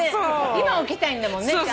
今起きたいんだもんね。